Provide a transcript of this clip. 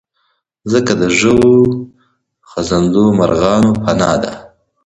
مځکه د ژوي، خزنده، مرغانو پناه ده.